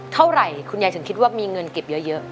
เท่าไหร่คุณยายถึงคิดว่ามีเงินเก็บเยอะ